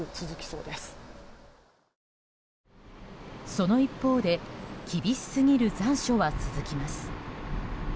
その一方で厳しすぎる残暑は続きます。